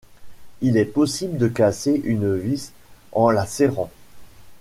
Il est possible de casser une vis en la serrant.